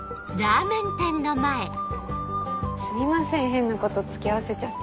すみません変なこと付き合わせちゃって。